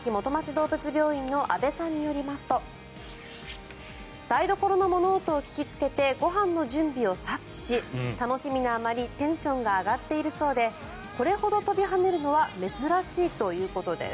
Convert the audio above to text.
どうぶつ病院の阿部さんによりますと台所の物音を聞きつけてご飯の準備を察知し楽しみなあまりテンションが上がっているそうでこれほど跳びはねるのは珍しいということです。